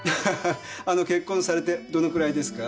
あの結婚されてどのくらいですか？